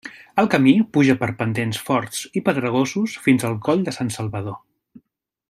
El camí puja per pendents forts i pedregosos fins al Coll de Sant Salvador.